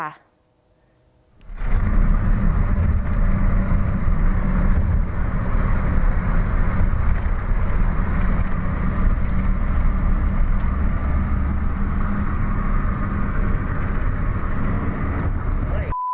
เฮ้ยเก๋